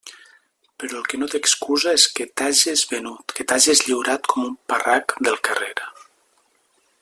Però el que no té excusa és que t'hages venut, que t'hages lliurat com un parrac del carrer.